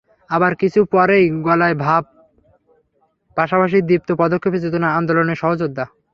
আবার কিছু পরেই গলায়-গলায় ভাব, পাশাপাশি দৃপ্ত পদক্ষেপে চেতনার আন্দোলনের সহযোদ্ধা।